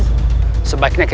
aku belum mati